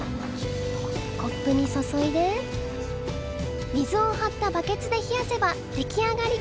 コップにそそいで水をはったバケツで冷やせば出来上がり！